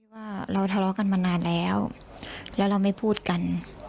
ว่าเราทะเลาะกันมานานแล้วแล้วเราไม่พูดกัน